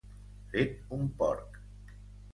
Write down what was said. Fet un porc.